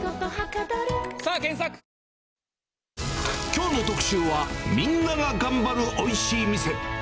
きょうの特集は、みんなが頑張るおいしい店。